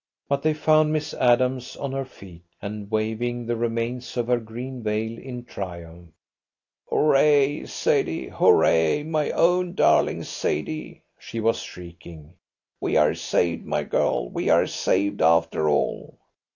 But they found Miss Adams on her feet, and waving the remains of her green veil in triumph. "Hurrah, Sadie! Hurrah, my own darling Sadie!" she was shrieking. "We are saved, my girl, we are saved after all."